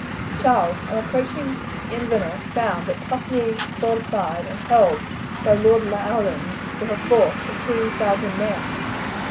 Charles on approaching Inverness found it toughly fortified and held by Lord Loudon with a force of two thousand men.